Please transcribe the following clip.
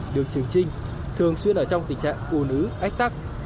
đường trường trinh thường xuyên ở trong tình trạng ồn ứ ách tắc